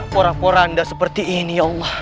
porak porak anda seperti ini